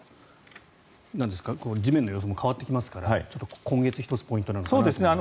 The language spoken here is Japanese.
地面の様子も変わってきますから今月、１つポイントなのかなと思います。